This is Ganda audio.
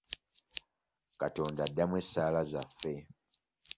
Katonda addamu essaala zaffe.